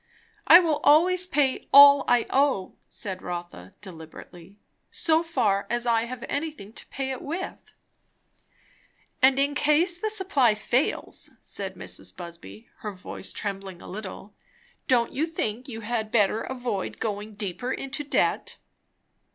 "I will always pay all I owe," said Rotha deliberately, "so far as I have anything to pay it with." "And in case the supply fails," said Mrs. Busby, her voice trembling a little, "don't you think you had better avoid going deeper into debt?"